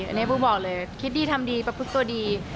อันนี้บุ๊กบอกเลยคิดดีทำดีประพฤติตัวดี